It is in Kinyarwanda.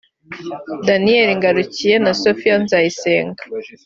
Daniel Ngarukiye na Sophie Nzayisenga